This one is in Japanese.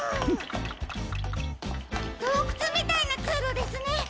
どうくつみたいなつうろですね。